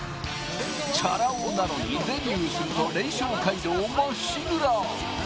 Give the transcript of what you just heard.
チャラ男なのに、デビューすると、連勝街道まっしぐら。